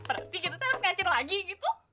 berarti kita tuh harus ngacir lagi gitu